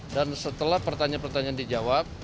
dan setelah pertanyaan pertanyaan dijawab